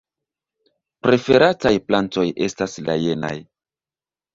Preferataj plantoj estas la jenaj.